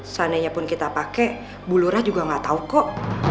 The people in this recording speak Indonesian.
seandainya pun kita pake bulurah juga gak tau kok